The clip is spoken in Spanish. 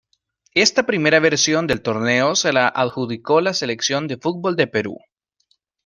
Esta primera versión del torneo se la adjudicó la Selección de fútbol de Perú.